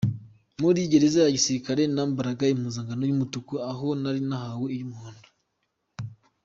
Muri gereza ya gisirikare nambaraga impuzankano y’umutuku, aha nari nahawe iy’umuhondo.